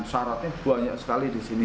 syaratnya banyak sekali di sini